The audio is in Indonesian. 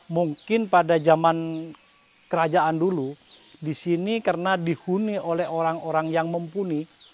mungkin pada zaman kerajaan dulu disini karena dihuni oleh orang orang yang mempunyai